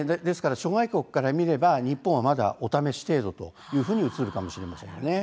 諸外国から見れば日本はまだお試し程度と映るかもしれません。